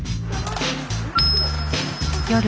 夜。